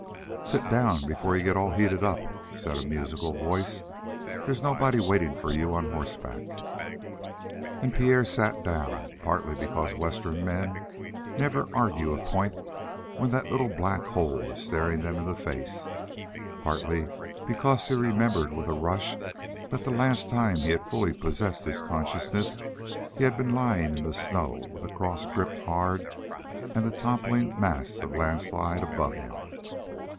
"Sit down before you get all heated up," said a musical voice. "There's nobody waiting for you on horseback." And Pierre sat down, partly because Western men never argue a point when that little black hole is staring them in the face, partly because he remembered with a rush that the last time he had fully possessed his consciousness he had been lying in the snow with the cross gripped hard and the toppling mass of the landslide above him.